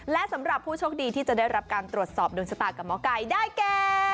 และสำหรับผู้โชคดีที่จะได้รับการตรวจสอบดวงชะตากับหมอไก่ได้แก่